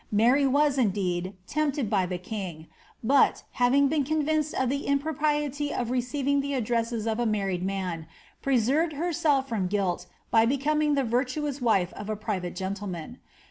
Mary was, indeed, tempted by the king, but, baring been convinced of the impro* priety of receiving the addresses of a married man, preserved herself from guilt by becoming the virtuous wife of a private gentleman.